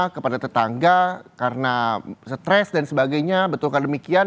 kepada tetangga karena stres dan sebagainya betulkah demikian